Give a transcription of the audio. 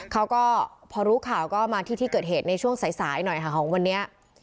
เขาก็พอรู้ข่าวก็มาที่ที่เกิดเหตุในช่วงสายหน่อยค่ะของวันนี้